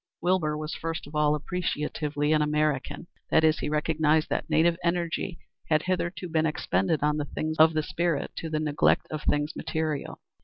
Wilbur was first of all appreciatively an American. That is he recognized that native energy had hitherto been expended on the things of the spirit to the neglect of things material.